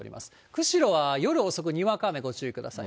釧路は夜遅く、にわか雨ご注意ください。